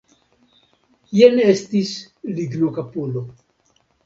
Jen estis lignokapulo.